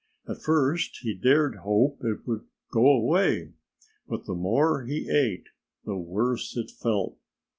At first he dared hope it would go away. But the more he ate, the worse he felt.